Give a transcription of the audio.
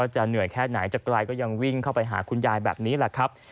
จากไกลก็ยังวิ่งเข้าไปหาคุณยายแบบนี้แหละ